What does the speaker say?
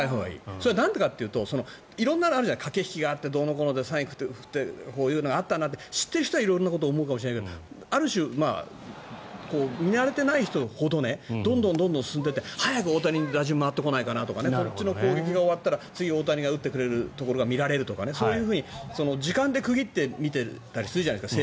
それはなんでかっていうと色んなのがあるじゃない駆け引きがどうのこうのでサイン、振ってとかこういうのがあってとか知っている人は色々思うかもしれないけどある種、見慣れてない人ほどどんどん進んで早く大谷に打順が回ってこないかなとかこっちの攻撃が終わったら次に大谷が打ってくれるところが見られるとかそういうふうに時間で区切って見ていたりするじゃないですか。